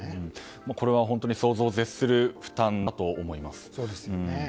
これは本当に想像を絶する負担だと思います。